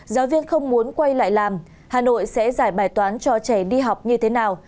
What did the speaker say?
giáo viên không muốn quay lại làm hà nội sẽ giải bài toán cho trẻ đi học như thế nào